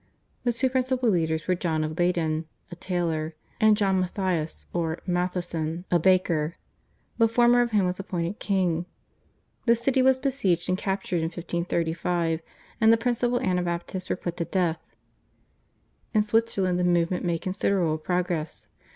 The two principal leaders were John of Leyden (a tailor) and John Matthyas or Matthieson (a baker), the former of whom was appointed king. The city was besieged and captured in 1535, and the principal Anabaptists were put to death. In Switzerland the movement made considerable progress.